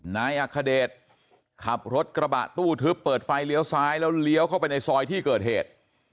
นายอัคเดชขับรถกระบะตู้ทึบเปิดไฟเลี้ยวซ้ายแล้วเลี้ยวเข้าไปในซอยที่เกิดเหตุ